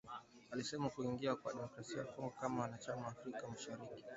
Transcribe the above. alisema kujiunga kwa Demokrasia ya Kongo kama mwanachama wa Afrika mashariki